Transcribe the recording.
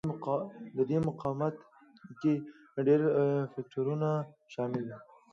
د دې مقاومت کې ډېر فکټورونه شامل دي.